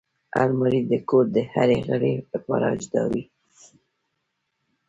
الماري د کور د هر غړي لپاره جدا وي